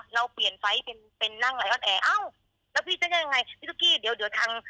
เราเปลี่ยนไฟล์เป็นเป็นนั่งไลออนแอร์เอ้าแล้วพี่จะได้ยังไงพี่ตุ๊กกี้เดี๋ยวเดี๋ยวทาง